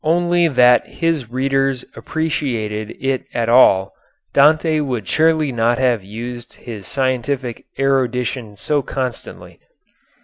Only that his readers appreciated it all, Dante would surely not have used his scientific erudition so constantly.